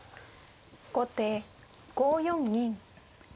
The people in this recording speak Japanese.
後手５四銀。